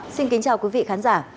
xin kính chào quý vị khán giả